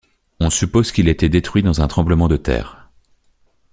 On suppose qu'il a été détruit dans un tremblement de terre.